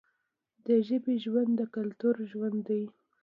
د ژبې ژوند د کلتور ژوند دی.